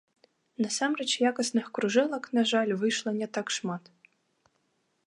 Насамрэч якасных кружэлак, на жаль, выйшла не так шмат.